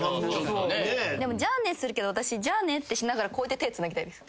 でもじゃあねするけど私じゃあねってしながらこうやって手つなぎたいです。